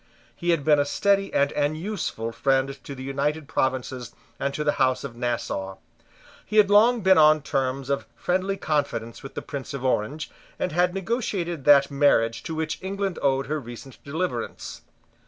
He had been a steady and an useful friend to the United Provinces and to the House of Nassau. He had long been on terms of friendly confidence with the Prince of Orange, and had negotiated that marriage to which England owed her recent deliverance.